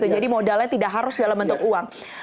jadi modalnya tidak harus dalam bentuk uang